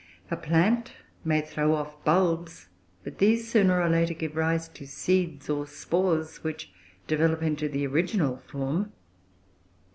A plant may throw off bulbs, but these, sooner or later, give rise to seeds or spores, which develop into the original form.